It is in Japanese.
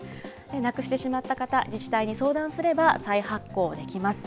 なくしてしまった方、自治体に相談すれば、再発行できます。